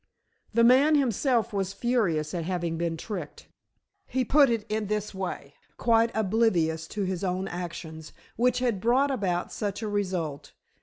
The man himself was furious at having been tricked. He put it in this way, quite oblivious to his own actions, which had brought about such a result.